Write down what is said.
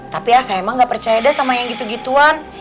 tapi ya saya emang gak percaya deh sama yang gitu gituan